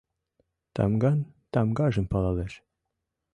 Тамган тамгажым палалеш